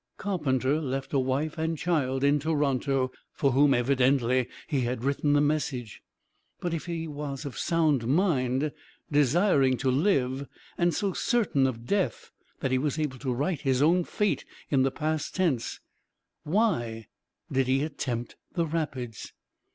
Carpenter left a wife and child in Toronto, for whom, evidently, he had written the message. But if he was of sound mind, desiring to live, and so certain of death that he was able to write his own fate in the past tense, why did he attempt the rapids?